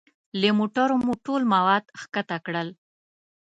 له موټرو مو ټول مواد ښکته کړل.